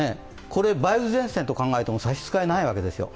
これ、梅雨前線と考えても差し支えないわけですよ。